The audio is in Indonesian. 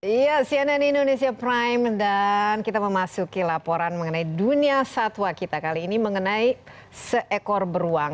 iya cnn indonesia prime dan kita memasuki laporan mengenai dunia satwa kita kali ini mengenai seekor beruang